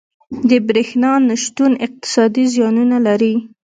• د برېښنا نه شتون اقتصادي زیانونه لري.